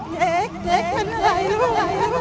เจ๊กเจ๊กเป็นอะไรลูก